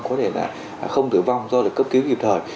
có thể là không tử vong do được cấp cứu kịp thời